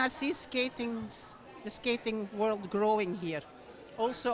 dan saya melihat dunia skating berkembang di sini